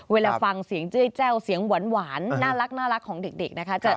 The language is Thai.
เวลาฟังเสียงเจ้ยแจ้วเสียงหวานน่ารักของเด็กนะคะ